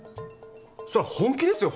そりゃ本気ですよ